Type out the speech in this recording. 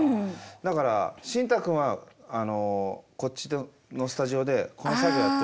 だからシンタくんはこっちのスタジオでこの作業やっといて。